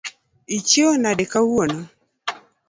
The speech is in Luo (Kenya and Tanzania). Ichiew nade kawuono.